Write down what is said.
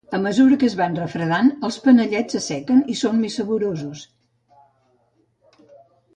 A mesura que es van refredant els panellets se sequen i són més saborosos.